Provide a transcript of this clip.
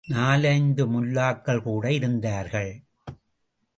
நாலைந்து முல்லாக்கள் கூட இருந்தார்கள்.